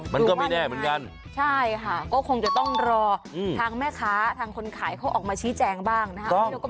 มันก็ไม่แน่เหมือนกันใช่ค่ะก็คงจะต้องรอทางแม่ค้าทางคนขายเขาออกมาชี้แจงบ้างนะครับ